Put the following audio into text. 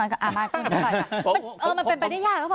มันเป็นไปได้ยากหรือเปล่า